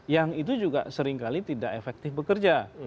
yang itu juga seringkali tidak efektif bekerja